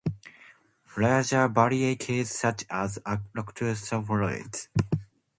Larger varieties, such as Arctostaphylos.